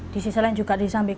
disisal yang juga disambilkan